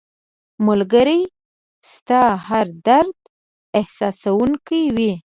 ملګری ستا هر درد احساسوونکی وي